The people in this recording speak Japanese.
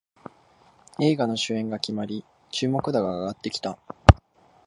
映画の主演が決まり注目度が上がってきた